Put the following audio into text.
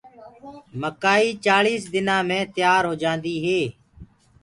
مڪآئي چآݪيس دنآ مي تيآر هوجآندي هي۔